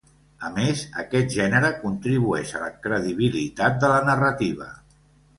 A més, aquest gènere contribueix a la credibilitat de la narrativa.